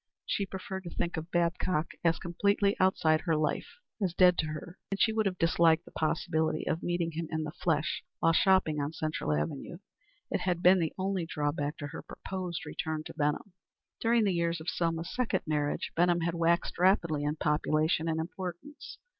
She preferred to think of Babcock as completely outside her life, as dead to her, and she would have disliked the possibility of meeting him in the flesh while shopping on Central avenue. It had been the only drawback to her proposed return to Benham. During the years of Selma's second marriage Benham had waxed rapidly in population and importance.